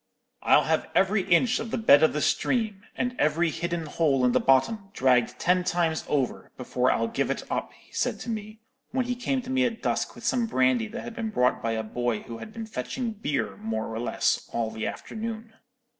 "'I'll have every inch of the bed of the stream, and every hidden hole in the bottom, dragged ten times over, before I'll give it up,' he said to me, when he came to me at dusk with some brandy that had been brought by a boy who had been fetching beer, more or less, all the afternoon.